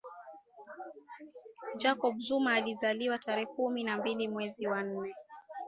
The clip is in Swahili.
jacob zuma alizaliwa tarehe kumi na mbili mwezi wa nne